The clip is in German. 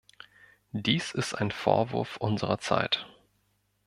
Dies ist ein Vorwurf unserer Zeit.